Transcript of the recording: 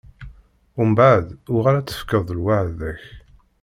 Mbeɛd, uɣal ad tefkeḍ lweɛda-k.